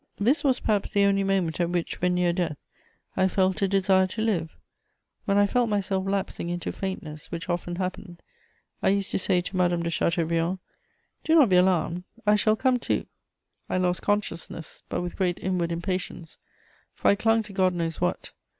This was perhaps the only moment at which, when near death, I felt a desire to live. When I felt myself lapsing into faintness, which often happened, I used to say to Madame de Chateaubriand: "Do not be alarmed; I shall come to." I lost consciousness, but with great inward impatience, for I clung to God knows what.